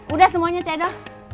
udah semuanya cedo